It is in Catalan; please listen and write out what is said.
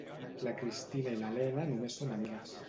La Cristina i l'Elena només són amigues.